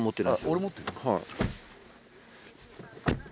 俺持ってる。